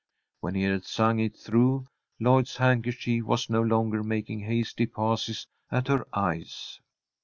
When he had sung it through, Lloyd's handkerchief was no longer making hasty passes at her eyes.